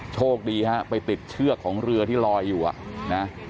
โชคดีฮะไปติดเชือกของเรือที่ลอยอยู่อ่ะนะ